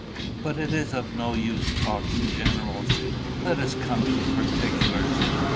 But it is of no use talking generals. Let us come to particulars.